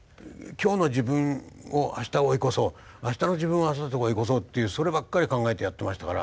今日の自分を明日追い越そう明日の自分を明後日追い越そうっていうそればっかり考えてやってましたから。